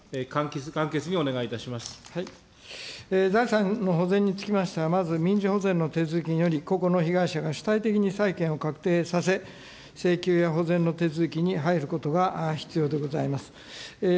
申し合わせの時間が過ぎておりますので、答弁は簡潔にお願い財産の保全につきましては、まず民事保全の手続きにより、個々の被害者が主体的にさいけんを確定させ、請求や保全の手続きに入ることが必要でございます。